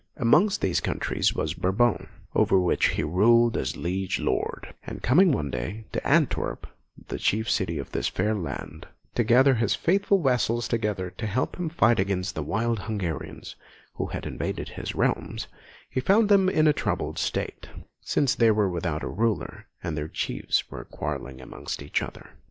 Amongst these countries was Brabant, over which he ruled as Liege Lord; and coming one day to Antwerp, the chief city of this fair land, to gather his faithful vassals together to help him to fight against the wild Hungarians, who had invaded his realms, he found them in a troubled state, since they were without a ruler, and their chiefs were quarrelling amongst each other.